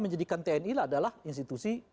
menjadikan tni adalah institusi